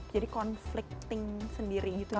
jadi conflicting sendiri gitu ya